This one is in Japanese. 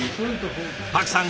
パクさん